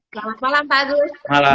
selamat malam pak agus